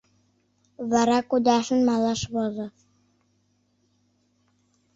Вара, кудашын, малаш возо.